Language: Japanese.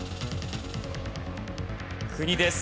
国です。